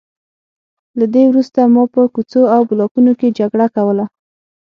له دې وروسته ما په کوڅو او بلاکونو کې جګړه کوله